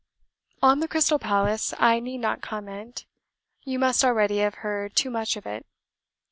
"On the Crystal Palace I need not comment. You must already have heard too much of it.